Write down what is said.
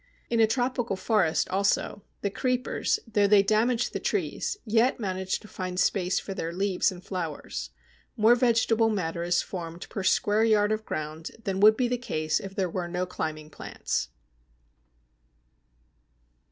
In a tropical forest also, the creepers, though they damage the trees, yet manage to find space for their leaves and flowers: more vegetable matter is formed per square yard of ground than would be the case if there were no climbing plants.